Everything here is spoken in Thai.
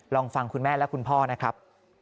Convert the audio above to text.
ลองฟังคุณแม่และคุณพ่อนะครับ